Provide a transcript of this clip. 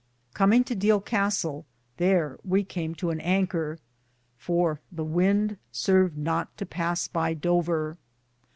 Cbminge to Deale Castell, thare we came to an anker, for the wynde sarved not to pass by Dover.